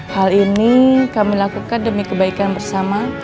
hal ini kami lakukan demi kebaikan bersama